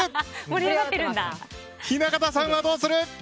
雛形さんはどうする！